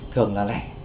thường là này